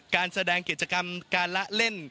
การแสดงกิจกรรมการละเล่น